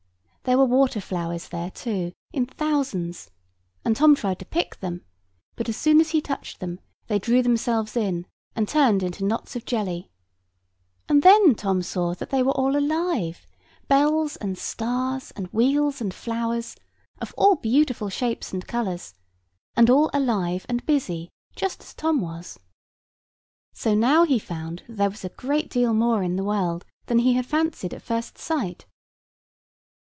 There were water flowers there too, in thousands; and Tom tried to pick them: but as soon as he touched them, they drew themselves in and turned into knots of jelly; and then Tom saw that they were all alive—bells, and stars, and wheels, and flowers, of all beautiful shapes and colours; and all alive and busy, just as Tom was. So now he found that there was a great deal more in the world than he had fancied at first sight.